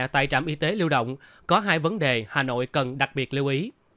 tại trạm y tế lưu động có hai vấn đề hà nội cần đặc biệt lưu ý